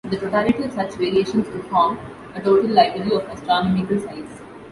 The totality of such variations would form a Total Library of astronomical size.